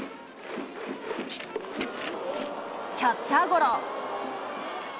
キャッチャーゴロ。